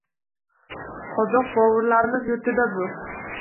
Qozoq bovurlarimiz yurtida bu